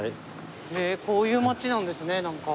へえこういう街なんですねなんか。